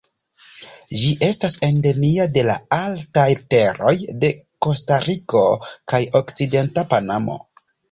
Ĝi estas endemia de la altaj teroj de Kostariko kaj okcidenta Panamo.